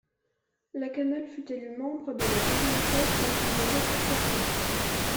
Lakanal fut élu membre de la deuxième classe dont il devint secrétaire.